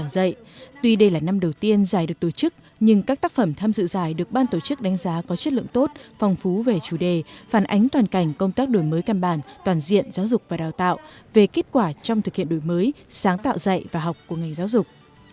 đây là năm đầu tiên giải được tổ chức nhưng các tác phẩm tham dự giải được ban tổ chức đánh giá có chất lượng tốt phong phú về chủ đề phản ánh toàn cảnh công tác đổi mới căn bản toàn diện giáo dục và đào tạo về kết quả trong thực hiện đổi mới sáng tạo dạy và học của ngành giáo dục